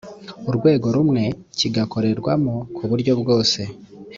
urwego rumwe kigakorerwamo ku buryo bwose